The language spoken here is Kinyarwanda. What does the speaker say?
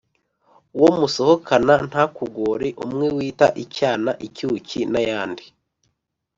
uwo musohakana ntakugore umwe wita icyana icyuki n'ayandi?